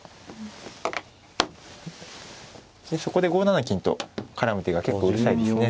そこで５七金と絡む手が結構うるさいですね。